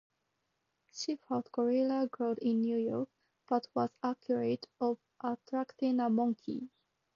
She fought Gorilla Grodd in New York, but was accused of attacking a "monkey".